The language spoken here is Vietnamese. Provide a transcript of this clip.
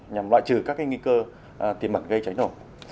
nhằm loại trừ các nguy cơ tiềm mặt gây cháy nổ